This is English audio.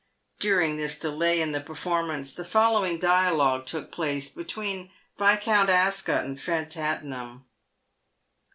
During this delay in the performance, the following dialogue took place between Viscount Ascot and Ered Tattenham.